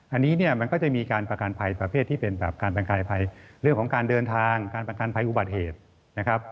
อันนี้เนี่ยมันก็จะมีการประกันภัยประเภทที่เป็นแบบการประกันกายภัยเรื่องของการเดินทางการประกันภัยอุบัติเหตุนะครับ